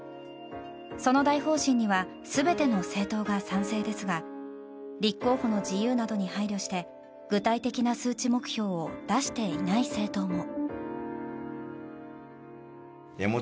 その大方針には全ての政党が賛成ですが立候補の自由などに配慮して具体的な数値目標を出していない政党も。